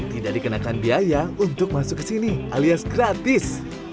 tidak dikenakan biaya untuk masuk ke sini alias gratis